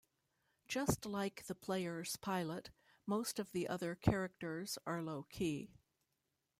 Just like the player's pilot, most of the other characters are low-key.